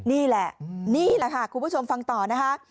นี่แหละนี่แหละค่ะคุณผู้ชมฟังต่อนะคะ